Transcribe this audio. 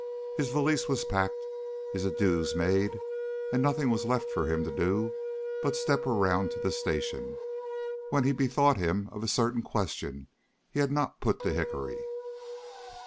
His valise was packed, his adieus made, and nothing was left for him to do but to step around to the station, when he bethought him of a certain question he had not put to Hickory.